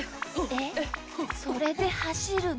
えっそれではしるの。